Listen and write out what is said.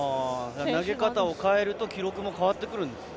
投げ方を変えると記録も変わるんですね。